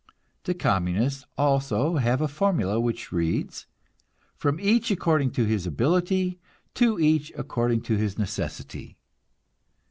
The Communists also have a formula, which reads: "From each according to his ability, to each according to his necessity."